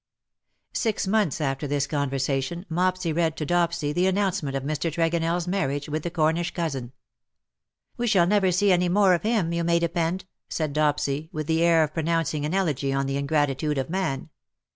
Six months after this conversation, Mopsy read to Dopsy the announcement of Mr. TregonelFs marriage with the Cornish cousin. " "We shall never see any more of him, you may depend,^^ said Dopsy, with the air of pronouncing an elegy on the ingratitude of man.